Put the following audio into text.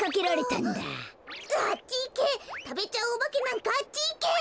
たべちゃうおばけなんかあっちいけ！